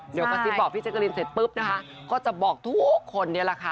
เดี๋ยวกระซิบบอกพี่แจ๊กกะลินเสร็จปุ๊บนะคะก็จะบอกทุกคนนี่แหละค่ะ